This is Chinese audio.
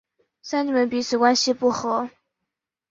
三姐妹彼此关系不和。